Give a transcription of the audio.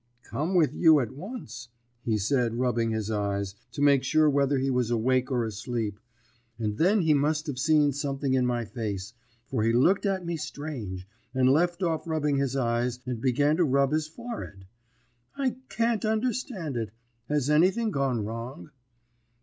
"'Come with you at once,' he said, rubbing his eyes, to make sure whether he was awake or asleep; and then he must have seen something in my face, for he looked at me strange, and left off rubbing his eyes, and began to rub his forehead. 'I can't understand it. Has anything gone wrong?'